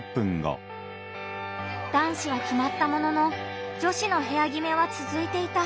男子は決まったものの女子の部屋決めは続いていた。